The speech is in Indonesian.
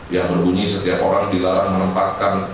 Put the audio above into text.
yang berbunyi setiap orang dilarang menempatkan